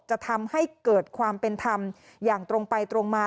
จะทำให้เกิดความเป็นธรรมอย่างตรงไปตรงมา